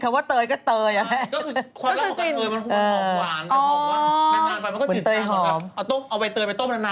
แล้วทำไมต้องเตยหอมด้วยอะ